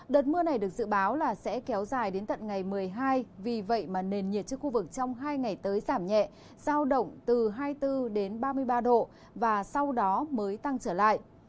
đợt mưa này được dự báo là sẽ kéo dài đến tận ngày một mươi hai vì vậy mà nền nhiệt trên khu vực trong hai ngày tới giảm nhẹ giao động từ hai mươi bốn đến ba mươi ba độ và sau đó mới tăng trở lại